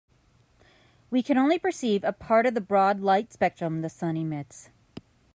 We can only perceive a part of the broad light spectrum the sun emits.